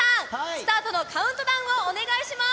スタートのカウントダウンをお願いします。